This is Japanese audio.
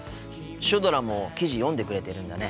シュドラも記事読んでくれてるんだね。